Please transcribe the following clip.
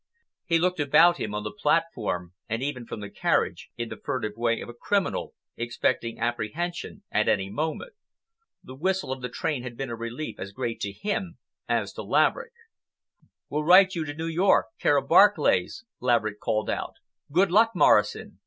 He looked about him on the platform, and even from the carriage, in the furtive way of a criminal expecting apprehension at any moment. The whistle of the train had been a relief as great to him as to Laverick. "We'll write you to New York, care of Barclays," Laverick called out. "Good luck, Morrison!